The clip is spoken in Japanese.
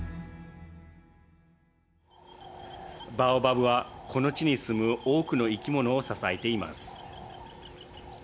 バオバブは、この地に住む多くの生き物を支えています。